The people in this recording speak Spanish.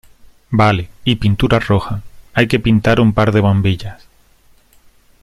vale. y pintura roja . hay que pintar un par de bombillas .